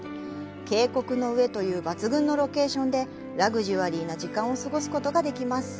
渓谷の上という抜群のロケーションでラグジュアリーな時間を過ごすことができます。